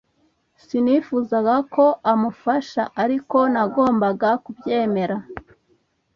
Sinifuzaga ko amufasha, ariko nagombaga kubyemera.